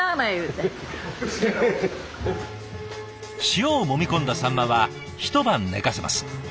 塩をもみ込んだサンマは一晩寝かせます。